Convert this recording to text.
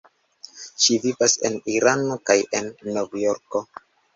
Ŝi vivas en Irano kaj en Novjorko.